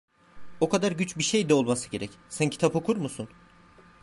O kadar güç bir şey de olmasa gerek, sen kitap okur musun?